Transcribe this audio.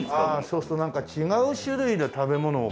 そうするとなんか違う種類で食べ物を置くんだな。